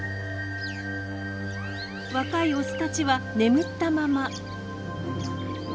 若いオスたちは眠ったまま。